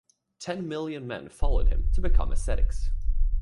Ten million men followed him to become ascetics.